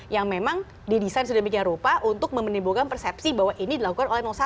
yang memang didesain sudah bikin rupa untuk memenimbangkan persepsi bahwa ini dilakukan oleh satu